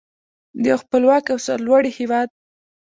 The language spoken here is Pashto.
د یو خپلواک او سرلوړي هیواد.